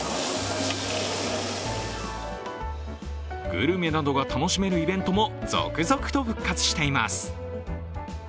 グルメなどが楽しめるイベントも続々と復活しています。